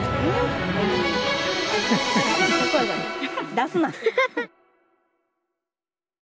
出すな！